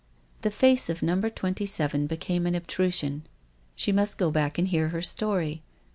" The face of Number Twenty seven became an obsession. She must go back and hear her story.